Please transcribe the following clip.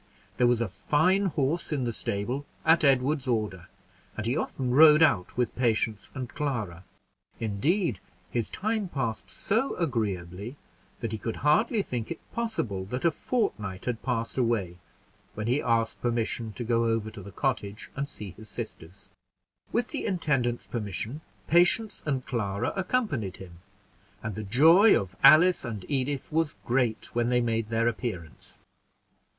There was a fine horse in the stable at Edward's order, and he often rode out with Patience and Clara; indeed his time passed so agreeably that he could hardly think it possible that a fortnight had passed away, when he asked permission to go over to the cottage and see his sisters. With the intendant's permission, Patience and Clara accompanied him; and the joy of Alice and Edith was great when they made their appearance.